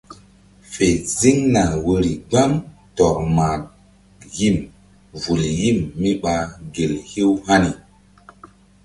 Fe ziŋ na woyri gbam tɔr ma yim vul yim míɓa gel hew hani.